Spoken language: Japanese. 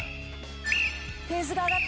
ペースが上がった。